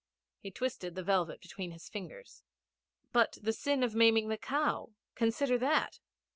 He twisted the velvet between his fingers. 'But the sin of maiming the cow consider that?'